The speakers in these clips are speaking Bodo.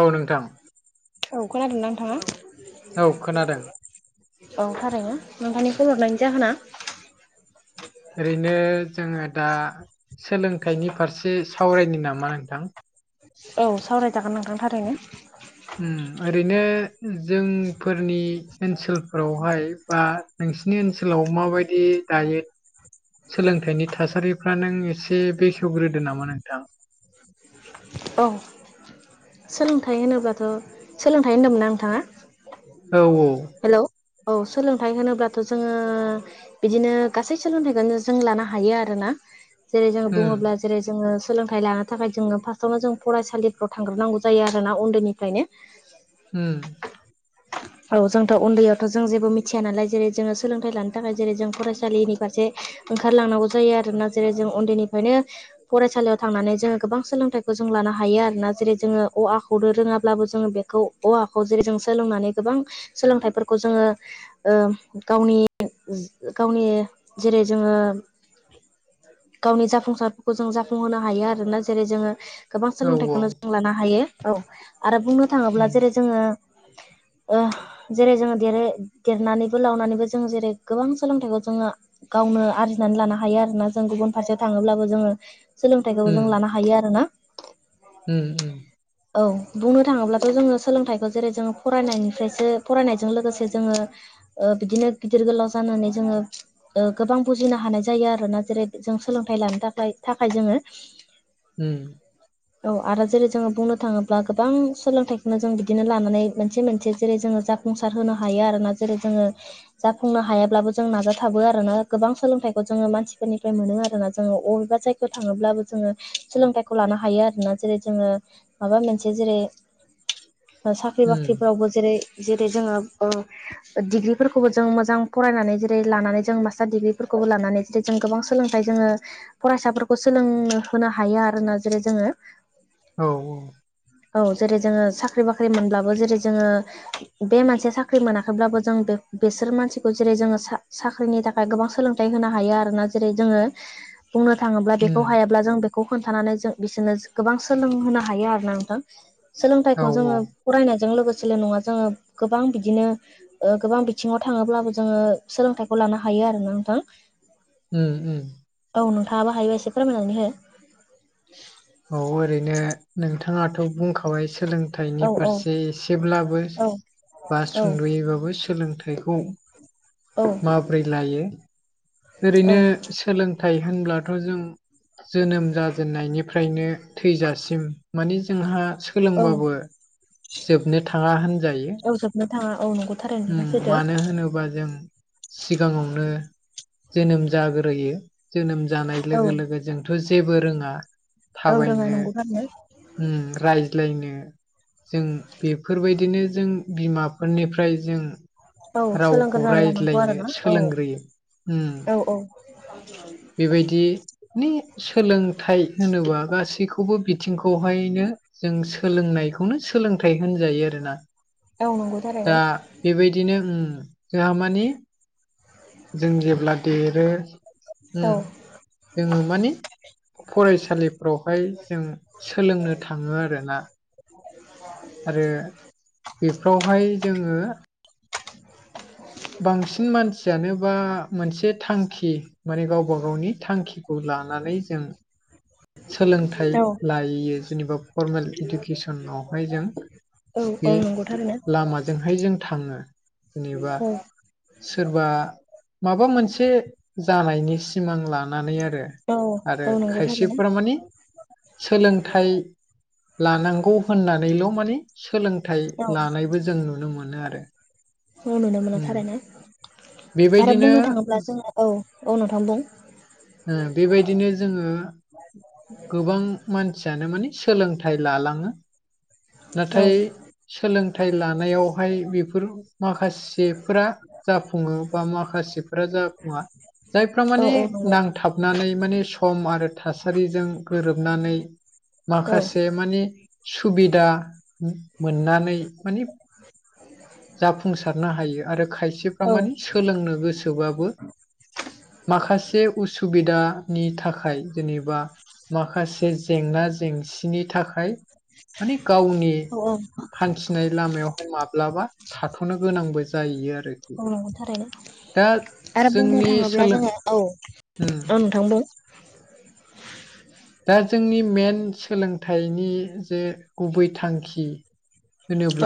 औ नोंथां। औ खोनादोंना नोंथाङा? औ खोनादों औं थारैनो। नोंथांनि फन हरनायनि जाहोना? ओरैनो जोङो दा सोलोंथाइनि फारसे सावरायनो नामा नोंथां? औ सावरायजागोन नोंथां थारैनो। ओम ओरैनो जोंफोरनि ओनसोलफोरावहाय बा नोंसिनि ओनसोलाव माबायदि दायो सोलोंथाइनि थासारिफ्रा नों एसे बेखेवग्रोदो नामा नोंथां? अह सोलोंथाइ होनोब्लाथ' सोलोंथाइ होन्दोंमोन ना नोंथाङा? औ हेलौ औ सोलोंथाइ होनोब्लाथ' जोङो बिदिनो गासै सोलोंथाइखौनो जों लानो हायो आरोना। जेरै जोङो उम बुङोब्ला जेरै जोङो सोंलोंथाइ लानो थाखाय जोङो फा सआवनो जों फरायसालिफ्राव थांग्रोनांगौ जायो आरोना उन्दैनिफ्रायनो। उम। औ जोंथ उन्दैयावथ' जों जेबो मिथिया नालाय जेरै जोङो सोलोंथाइ लानो थाखाय जेरै जों फरायसालिनि फारसे ओंखारलांनांगौ जायो आरोना जेरै जों उन्दैनिफ्रायनो फरायसालियाव थांनानै जोङो गोबां सोलोंथाइ खौ जों लानो हायो आरोना जेरै जोङो अ आ खौनो रोङाब्लाबो जोङो बेखौ अ आ खौ जेरै जों सोलोंनानै गोबां सोलोंथाइफोरखौ जोङो ओ गावनि गावनि जेरै जोङो गावनि जाफुंसारफोरखौ जों जाफुंहोनो हायो आरोना। जेरै जोङो गोबां औ औ सोलोंथाइखौनो जों लानो हायो। औ आरो बुंनो थाङोब्ला उम जेरै जोङो ओह जेरै जोङो देरो देरनानैबो लावनानैबो जोङो जेरै गोबां सोलोंथाइखौ जोङो गावनो आरजिनानै लानो हायो आरोना जों गुबुन फारसेयाव थाङोब्लाबो जोङो सोलोंथाइखौ जों लानो हायो आरो ना। ओ ओ। औ बुंनो थाङोब्लाथ जोङो सोलोंथाइखौ जेरै जोङो फरायनायनिफ्रायसो फरायनायजों लोगोसे जोङो ओ बिदिनो गिदिर गोलाव जानानै जोङो ओ गोबां बुजिनो हानाय जायो आरोना जेरै जों सोलोंथाइ लानो थाखाय थाखाय जोङो ओम। औ आरो जेरै जोङो बुंनो थाङोब्ला गोबां सोलोंथाइखौनो जों बिदिनो लानानै मोनसे मोनसे जेरै जोङो जा फुंसार होनो हायो आरोना जेरै जोङो जाफुंनो हायाब्लाबो जों नाजाथाबो आरोना गोबां सोलोंथाइखौ जोङो मानसिफोरनिफ्राय मोनो आरोना जोङो अबेबा जायगा थाङोब्लाबो जोङो सोलोंथाइ खौ लानो हायो आरोना जेरै जोङो माबा मोनसे जेरै साख्रि उम बाख्रिफ्रावबो जेरै जेरै जोङो डिग्रिफोरखौबो जों मोजां फरायनानै जेरै लानानै जों मास्टार डिग्रिफोरखौबो लानानै जे जों गोबां सोलोंथायाइ जोङो फरायसाफोरखौ सोलोंनो होनो हायो आरो जेरै जोङो औ औ। औ जेरै जोङो साख्रि बाख्रि मोनब्लाबो जेरै जोङो बे मानसिया साख्रि मोनाखैब्लाबो जों बे-बेसोर मानसिखौ जेरै जोङो साख्रिनि थाखाय गोबां सोलोंथाय होनो हायो आरोना जेरै जोङो बुंनो थाङोब्ला बेखौ उम हायाब्ला जों बेखौ खोन्थानानै जों बिसोरनो गोबां सोलोंहोनो हायो आरोना नोंथां औ सोलोंथाइखौ औ जोङो फरायनायजों लोगोसेल नङा जोङो गोबां बिदिनो ओ गोबां बिथिङाव थाङोब्लाबो जोङो सोलोंथाइखौ लानो हायो आरोना नोंथां। [unintelligible] औ नोंथाङाबो हायोबाय एसे फोरमायनानै हो [unintelligible] बे ओरैनो नों बिथाङाथ' बुंखावाय सोलों सोलोंथाइनि औ औ फारसे एसेब्लाबो औ बा औ सुंद'यैबाबो सोलोंथाइखौ औ माबोरै लायो औ ओरैनो सोलोंथाइ होनब्लाथ' जों जोनोम जाजेननायनि निफ्रायनो थैजासिम माने जोंहा औ सोलोंबाबो जोबनो थाङा होनजायो औ जोबनो थाङा औ नंगौ थारैनो नोंथां सैथो मानो होनोबा जों सिगाङावनो जोनोम जाग्रोयो जोनोम जानाय औ लोगो लोगो जों थ' जेबो रोङा औ रोङा थाबायनो नंगौ थारैनो रायज्लायनो जों बेफोरबायदिनो जों बिमाफोरनिफ्राय जों औ रावखौ सोलोंग्रोनानै लानांगौ आरो रायज्लायनो ना औ सोलोंग्रोयो औ औ बेबायदि सोलोंथाइ होनोबा गासैखौबो बिथिंखौहायनो जों सोलोंनायखौनो सोलोंथाइ होनजायो आरोना। औ नंगौ। दा थारैनो बेबायदिनो जोंहा मानिे जों जेब्ला देरो औ जोङो माने फरायसालिफ्रावहाय जों सोलोंनो थाङो आरोना। आरो बेफ्रावहाय जोङो बांसिन मानसियानो बा मोनसे थांखि माने गावबा गावनि थांखि खौ लानानै जों सोलोंथाइ औ लायोयो जेनेबा फर्मेल इडुकेसनावहाय जों औ बे नंगौ थारैनो लामाजोंहाय जों थाङो जेनेबा औ सोरबा माबा मोनसे जानायनि सिमां लानानै आरो औ आरो औ नंगौ थारैनो खायसेफोरा माने सोलोंथाइ लानांगौ होननानैल' माने सोलोंथाइ औ लानायबो जों नुनो मोनो आरो औ नुनो मोना उम थारैनो आरो बेबायदिनो बुंनो थाङोब्ला जोङो औ औ नोंथां बुं ओं बेबायदिनो जोङो गोबां मानसियानो माने सोलोंथाइ लालां औ नाथाय सोलोंथाइ लानायावहाय बेफोर माखासेफोरा जाफुङो बा माखासेफफ्रा जाफुङा जायफ्रा औ माने औ नंगौ नांथाबनानै माने सम आरो थासारिजों गोरोबनानै औ माखासे माने सुबिदा मोननानै मान जाफुंसारनो हायो आरो खायसेफ्रा औ माने सोलोंनो गोसोबाबो माखासे उसुबिदानि थाखाय जेनेबा माखासे जेंना जेंसिनि थाखाय माने गावनि औ औ हान्थिनाय लामायावहाय माब्लाबा थाथ'नो गोनांबो जायो आरो अ थारैनो नोंथां आरो बुंनो जोंनि थाङोब्ला सोलों जोङो औ उम औ नोंथां दा जोंनि मेन सोलोंथाइनि जे गुबै थांखि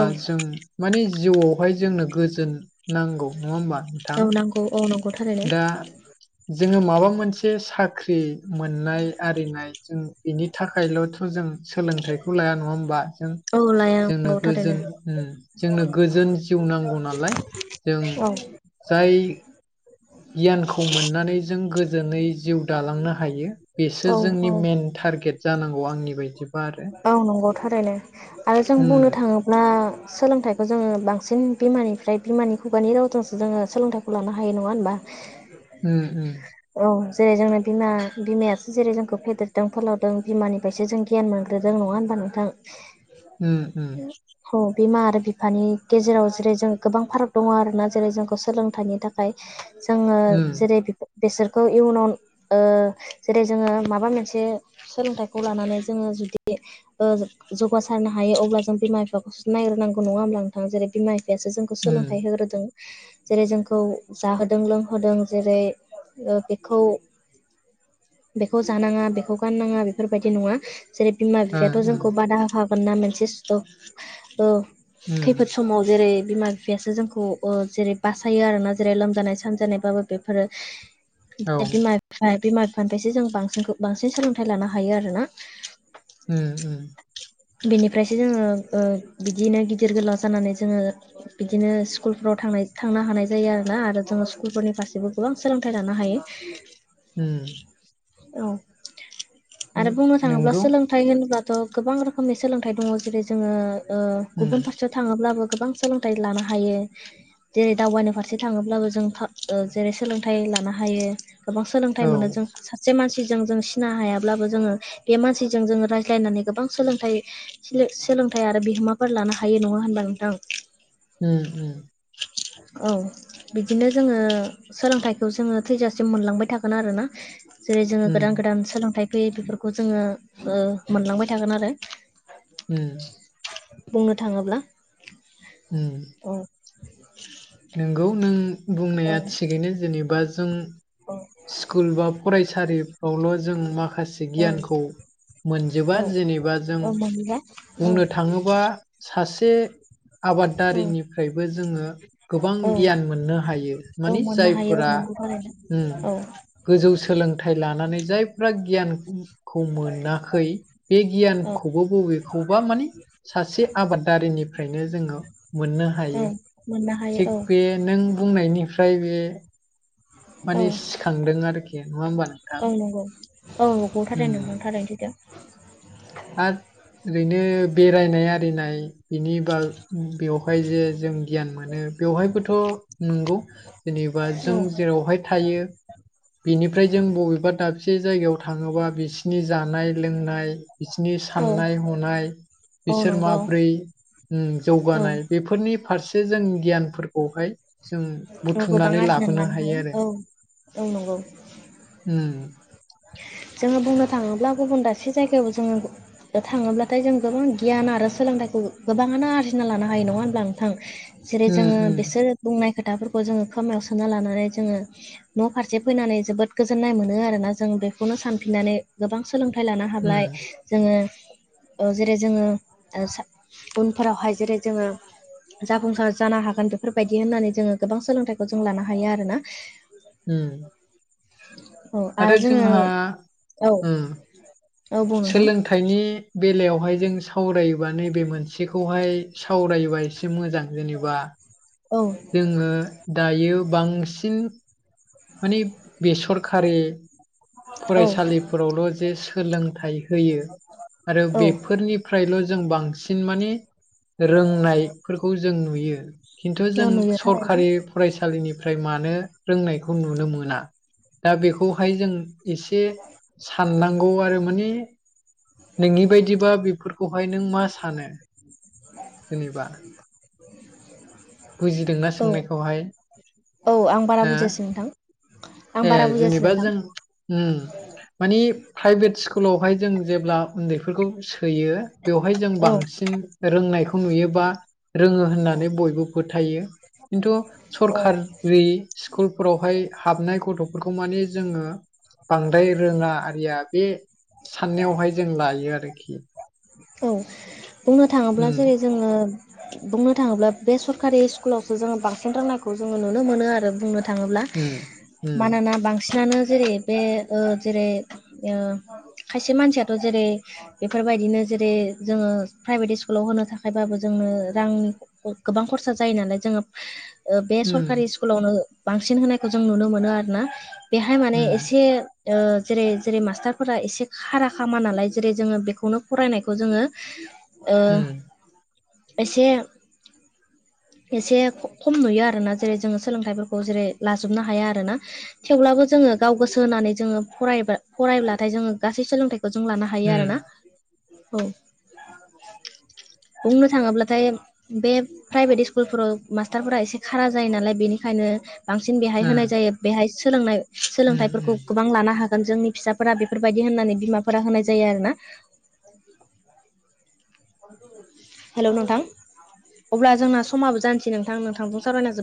औ जों माने जिउआवहाय जोंनो गोजोन नांगौ नङा होमबा नोंथां अ नंगौ थारैनो दा जोङो माबा मोनसे साख्रि मोननाय आरिनाय जों बेनि थाखायल' थ' जों सोलोंथाइखौ लाया नङा होमबा जों औ ने जोंनो गोजोन उम जोंनो गोजोन जिउ नांगौ नालाय जों औ जाय गियानखौ मोननानै जों गोजोनै जिउ दालांनो हायो बेसो औ औ जोंनि मेन टारगेट जानांगौ आंनि बायदिबा आरो औ नंगौ थारैनो आरो जों उम बुंनो थाङोब्ला सोलोंथाइखौ जोङो बांसिन बिमानिफ्राय बिमानि खुगानि रावजोंसो जोङो सोलोंथाइखौ लानो हायो नङा होनबा उम उम औ जेरै जोंनो बिमा बिमायासो जेरै जोंखौ फेदेरदों फोलावदों बिमानिफ्रायसो जों गियान मोनग्रोदों नङा होनबा नोंथां उम उ हौ बिमा आरो बिफानि गेजेराव जेरै जों गोबां फाराग दङ आरो ना जेरै जोंखौ सोलोंथाइनि थाख खाय जोङो उम जेरै बेसोरखौ इयुनाव ओ जेरै जोङो माबा मोनसे सोलोंथाइखौ लानानै जोङो जुदि ओ जौगासारनो हायो अब्ला जों बिमा बिफाखौ नायग्रोनांगौ नङा होमब्ला नोंथां जेरै बिमा बिफायासो जोंखौ उम सोलोंथाइ होग्रोदों जेरै जोंखौ जाहोदों लोंहोदों जेरै ओ बेखौ बेखौ जानाङा बेखौ गाननाङा बेफोरबायदि नङा जेरै बिमा उम ओ उम बिफायाथ' जोंखौ बादा होखागोनना मोनसे सि थ' ओ उम खैफोद समाव जेरै बिफोर बेसो जोंखौ ओ जेरै बासायो आरोना जेरै लोमजानाय सानजानायबाबो बेफोरो [unintelligible] औ बिमा बिफा बिमा बिफानिफ्रायसो जों बांसिनखौ बांसिन सोलोंथाइ लानो हायो आरोना उम उम बेनिफ्रायसो जोङो ओ बिदिनो गिदिर गोलाव जानानै जोङो बिदिनो स्कुलफ्राव थांनाय थांनो हानाय जायो आरोना आरो जोङो स्कुलफोरनि फारसेबो गोबां सोलोंथाइ लानो हायो [inaudible] उम औ उम आरो बुंनो थाङोब्ला नोंगौ सोलोंथाइ होनोब्लाथ' गोबां रोख [unintelligible] सोलोंथाइ दङ जेरै जोङो ओ उम गुबुन फारसे थाङोब्लाबो गोबां सोलोंथाइ लानो हायो जेरै दावबायानि फारसे थाङोब्लाबो जों ओ जेरै सोलोंथाइ लानो हायो गोबां सोलोंथाइ औ मोनो जों सासे मानसिजों जों सिना हायाब्लाबो जोङो बे मानसिजों जोङो रायज्लायनानै गोबां सोलों सोलोंथाय आरो बिहोमाफोर लानो हायो नङा होनबा नोंथां उम उम। औ बिदिनो जोङो सोलोंथाइखौ जोङो थैजासिम मोनलांबाय थागोन आरोना जेरै जोङो गोदान उम गोदान सोलोंथाइ फैयो बेफोरखौ जोङो ओ मोनलांबाय थागोन आरो उम बुंनो थाङोब्ला उम औ नोंगौ नों औ बुंनाया थिगैनो जेनेबा जों औ स्कुल बा फरायसालिफ्रावल' जों माखासे गियानखौ मोनजोबा औ जेनेबा जों औ मोनबा औ बुंनो थाङोबा सासे औ आबादारिनिफ्रायबो जोङो गोबां औ गियान मोननो हायो औ मानि मोननो हायो औ जायफोरा नंगौ थारैनो उम औ गोजौ सोलोंथाइ लानानै जायफ्रा गियान खौ मोनाखै बे औ गियानखौबो बबेखौबा माने सासे आबादारिनिफ्रायनो जोङो मोननो औ हायो। मोननो हायो औ थिग बे नों बुंनायनिफ्राय बे औ मानि सिखांदों आरोखि नङा होमबा नोंथां औ उम आरोयदि दों आ ओरैनो बेरायनाय आरिनाय बिनि बा बेवहाय जे जों गियान मोनो बेवहायबोथ' नंगौ जेनेबा जों औ जेरावहाय थायो बिनिफ्राय जों बबेबा दाबसे जायगायाव थाङोबा बिसिनि जानाय लोंनाय बिसोरनि औ साननाय हनाय औ बिसोर नंगौ माबोरै उ औ जौगानाय बेफोरनि फारसे जों गियानफोरखौहाय जों औ गोबां बुथुमनानै आरजिनानै लाबोनो लानो हायो आरो औ औ नंगौ उम जोङो बुंनो थाङोब्ला गुबुन दाबसे जायगायाव जोङो थाङोब्लाथाय जों गोबां गियान आरो सोलोंथाइखौ गोबाङानो आरजिना लानो हायो नङा होमब्ला नोंथां जेरै उम जोङो उम बिसोर बुंनाय खोथाफोरखौ जोङो खोमायाव सोना लानानै जोङो न' फारसे फैनानै जोबोद गोजोननाय मोनो आरोना जों बेखौनो सानफिननानै गोबां सोलोंथाइ लानो हाब्लाय उम जोङो ओ जेरै जोङो ओ सा उनफोरावहाय जेरै जोङो जाफुंसार जानो हागोन बेफोरबायदि होननानै जोङो गोबां सोलोंथाइखौ जों लानो हायो आरोना। उम औ आरो जोङो जोंहा औ उम औ बुं नोंथां सोलों थायनि बेलायावहाय जों सावरायोबा नैबे मोनसेखौहाय सावरायोबा से मोजां जेनेबा औ जोङो दायो बांसिन माने बेसरखारि औ फरायसालिफोरावल' जे सोलोंथाइ होयो आरो औ बेफोरनिफ्रायल' जों बांसिन माने रोंनायफोरखौ जों नुयो खिन्थु औ जों नुयो थारैनो सरखारि फरायसालिनिफ्राय मानो रोंनाय खौ नुनो मोना। दा बेखौहाय जों एसे साननांगौ आरो माने नोंनि बायदिबा बेफोरखौहाय नों मा सानो जेनेबा बुजिदोंना [inaudible] औ सोंनायखौहाय औ आं बारा हो बुजियासै नोंथां आं ए बारा बुजियासै जेनेबा नोंथां जों उम मानि प्राइभेट स्कुलावहाय जों जेब्ला उन्दैफोरखौ सो होयो बेवहाय जों औ बांसिन रोंनायखौ नुयोबा रोङो होननानै बयबो फोथायो खिन्थु औ सरकारि स्कुलफोरावहाय हाबनाय गथ'फोरखौ माने जोङो बांद्राय रोङा आरिया बे साननायावहाय जों लायो आरोखि। औ बुंनो थाङोब्ला उम जेरै जोङो बुंनो थाङोब्ला बे सरकारि स्कुलावसो जोङो बांसिन रोंनायखौ जोङो नुनो मोनो आरो बुंनो थाङोब्ला उम उम मानोना बांसिनानो जेरै बे ओ जेरै ओ खायसे मानसियाथ' जेरै बेफोरबायदिनो जेरै जोङो प्राइभेट स्कुलाव होनो थाखायबाबो जोंनो रां गोबां खरसा जायो नालाय जोङो बे सरकारि उम स्कुलावनो बांसिन होनायखौ जों नुनो मोनो आरोना बेहाय माने उम एसे ओ जेरै जेरै मास्टारफोरा एसे खारा खामा नालाय जेरै जोङो बेखौनो फरायनायखौ जोङो ओ उम एसे एसे खम नुयो आरोना जेरै जोङो सोलोंथाइफोरखौ जेरै लाजोबनो हाया आरोना थेवब्लाबो जोङो गाव गोसो होनानै जोङो फरायबा फरायब्लाथाय जोङो गासै सोलोंथाइ खौ जों लानो हायो उम आरोना औ बुंनो थाङोब्लाथाय बे प्राइभेट स स्कुलफोराव मास्टारफोरा एसे खारा जायो नालाय बेनिखायनो बांसिन बेहाय उम होनाय जायो बेहाय सोलोंनाय उम उम सोलोंथाइफोरखौ गोबां लानो हागोन जोंनि फिसाफोरा बेफोरबायदि होननानै बिमाफोरा होनाय जायो आरोना थेंकिउ हेलौ नोंथां अब्ला जोंना समाबो जानोसै नोंथां नोंथांजों सावरायना जोब